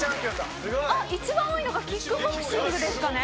一番多いのがキックボクシングですかね。